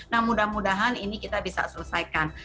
nah mudah mudahan ini kita bisa selesaikan